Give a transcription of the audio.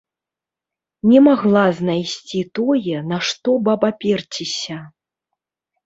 Не магла знайсці тое, на што б абаперціся.